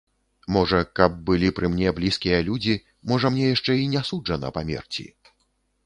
Можа каб былі пры мне блізкія людзі, можа мне яшчэ і не суджана памерці.